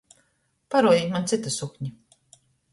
Paruodit maņ cytu sukni!